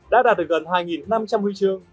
đã đạt được gần hai năm trăm linh huy chương